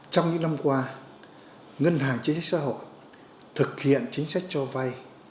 trong những năm qua ngân hàng chính sách xã hội thực hiện chính sách cho vay